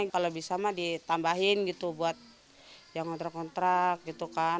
kalau bisa mah ditambahin gitu buat yang ngontrak ngontrak gitu kan